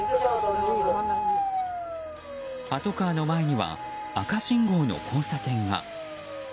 パトカーの前には赤信号の交差点が。